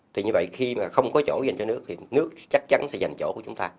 thì như vậy khi mà không có chỗ dành cho nước thì nước chắc chắn sẽ dành chỗ của chúng ta